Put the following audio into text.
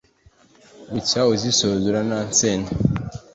bucya usizora uranansenya.